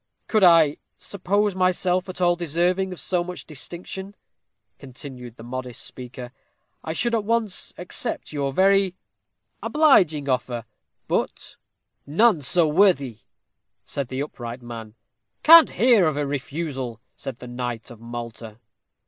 "Could I suppose myself at all deserving of so much distinction," continued the modest speaker, "I should at once accept your very obliging offer; but " "None so worthy," said the upright man. "Can't hear of a refusal," said the knight of Malta.